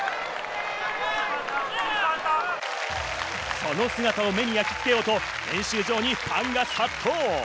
その姿を目に焼き付けようと練習場にファンが殺到。